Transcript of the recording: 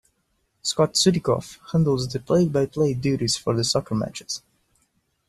Scott Sudikoff handles the play-by-play duties for the soccer matches.